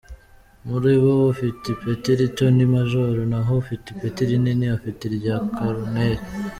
Muri bo ufite ipeti rito ni majoro naho ufite ipeti rinini afite irya Koloneli.